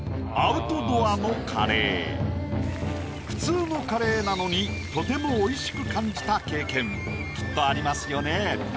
普通のカレーなのにとてもおいしく感じた経験きっとありますよね。